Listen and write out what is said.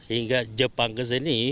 hingga jepang ke sini